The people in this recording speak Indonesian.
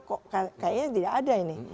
kayaknya tidak ada ini